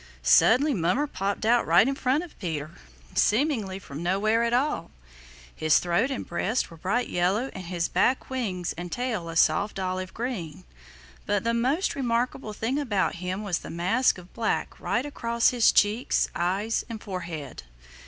Suddenly Mummer popped out right in front of Peter, seemingly from nowhere at all. His throat and breast were bright yellow and his back wings and tail a soft olive green. But the most remarkable thing about him was the mask of black right across his cheeks, eyes and forehead.